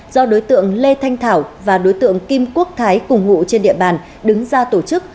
do đối tượng lê thanh thảo và đối tượng kim quốc thái cùng ngụ trên địa bàn đứng ra tổ chức